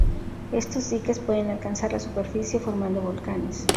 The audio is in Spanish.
Estos diques pueden alcazar la superficie formando volcanes.